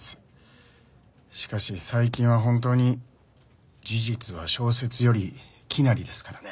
しかし最近は本当に事実は小説より奇なりですからね。